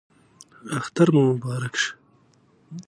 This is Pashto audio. اختر مو مبارک شه